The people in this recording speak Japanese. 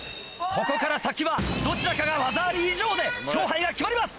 ここから先はどちらかが技あり以上で勝敗が決まります。